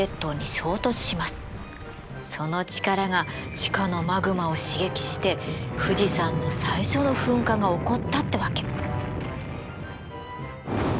その力が地下のマグマを刺激して富士山の最初の噴火が起こったってわけ。